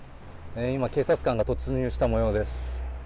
今、警察官が突入した模様です。